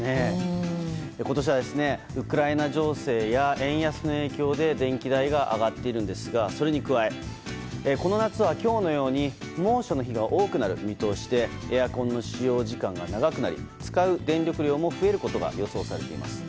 今年はウクライナ情勢や円安の影響で電気代が上がっているんですがそれに加え、この夏は今日のように猛暑の日が多くなる見通しでエアコンの使用時間が長くなり使う電力量も増えることが予想されています。